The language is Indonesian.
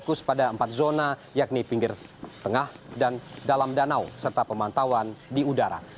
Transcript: fokus pada empat zona yakni pinggir tengah dan dalam danau serta pemantauan di udara